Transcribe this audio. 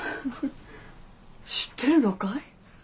知ってるのかい？